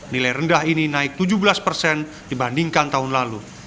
nilai rendah ini naik tujuh belas persen dibandingkan tahun lalu